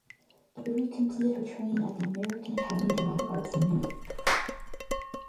Avery completed her training at the American Academy of Dramatic Arts in New York.